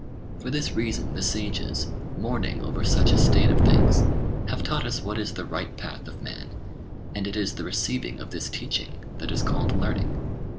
For this reason the sages, mourning over such a state of things, have taught us what is the right path of man; and it is the receiving of this teaching that is called learning.